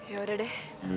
ya udah deh